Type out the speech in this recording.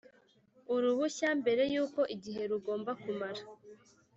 uruhushya mbere y uko igihe rugomba kumara